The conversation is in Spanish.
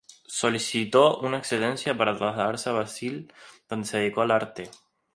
Solicitó una excedencia para trasladarse a Brasil, donde se dedicó al arte.